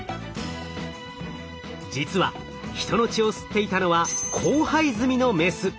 実は人の血を吸っていたのは交配済みのメス。